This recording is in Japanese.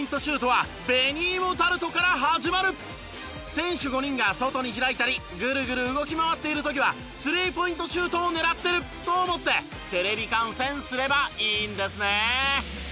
選手５人が外に開いたりぐるぐる動き回っている時はスリーポイントシュートを狙ってると思ってテレビ観戦すればいいんですね！